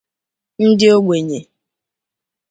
ndị ogbenye